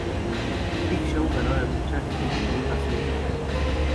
Big Show ganó la lucha, defendiendo así el título.